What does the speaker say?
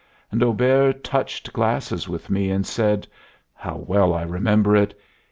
And Auber touched glasses with me and said how well I remember it!